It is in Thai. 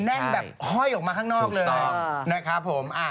แน่นแบบห้อยออกมาข้างนอกเลยถูกต้อง